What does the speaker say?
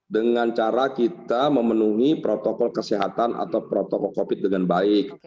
dengan cara kita memenuhi protokol kesehatan atau protokol covid dengan baik